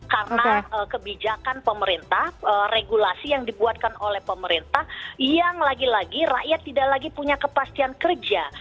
karena kebijakan pemerintah regulasi yang dibuatkan oleh pemerintah yang lagi lagi rakyat tidak lagi punya kepastian kerja